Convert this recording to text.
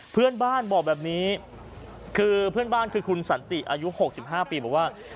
เพื่อนบ้านบอกแบบนี้คือเพื่อนบ้านคือคุณสันติอายุ๖๕ปีบอกว่า